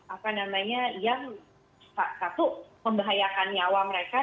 apa namanya yang satu membahayakan nyawa mereka